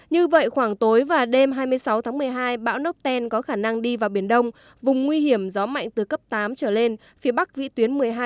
như vậy khoảng tối và đêm hai mươi sáu tháng một mươi hai bão nốc ten có khả năng đi vào biển đông vùng nguy hiểm gió mạnh từ cấp tám trở lên phía bắc vĩ tuyến một mươi hai độ vĩ bắc